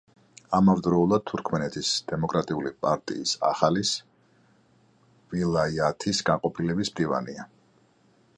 ამავდროულად თურქმენეთის დემოკრატიული პარტიის ახალის ვილაიათის განყოფილების მდივანია.